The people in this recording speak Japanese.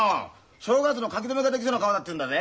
正月の書き初めができそうな顔だっていうんだぜ。